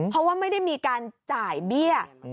เพราะว่าไม่ได้มีการจ่ายเบี้ย